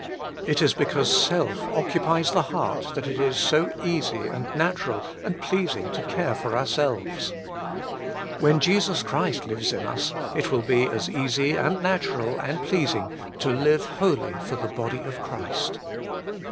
It is because self occupies the heart that it is so easy and natural and Working for God 89 pleasing to care for ourselves. When Jesus Christ lives in us, it will be as easy and natural and pleasing to live wholly for the body of Christ.